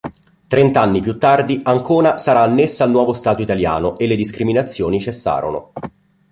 Trent'anni più tardi Ancona sarà annessa al nuovo Stato italiano e le discriminazioni cessarono.